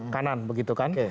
kanan begitu kan